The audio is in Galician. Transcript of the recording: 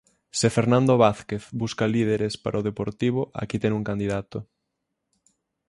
Se Fernando Vázquez busca líderes para o Deportivo, aquí ten un candidato...